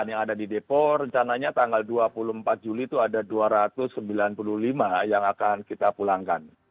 dan yang ada dideportasi rencananya tanggal dua puluh empat juli itu ada dua ratus sembilan puluh lima yang akan kita pulangkan